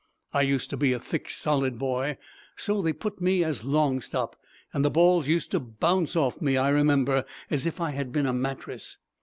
I used to be a thick, solid boy, so they put me as long stop, and the balls used to bounce off me, I remember, as if I had been a mattress."